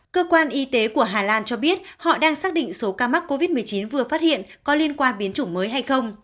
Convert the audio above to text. cơ quan y tế của hà lan cho biết họ đang xác định số ca mắc covid một mươi chín vừa phát hiện có liên quan biến chủng mới hay không